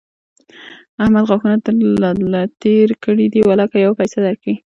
احمد غاښونه تر له تېر کړي دي؛ ولاکه يوه پيسه در کړي.